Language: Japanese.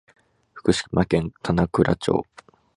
福島県棚倉町